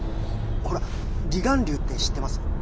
ほら離岸流って知ってます？